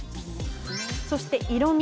そして、色み。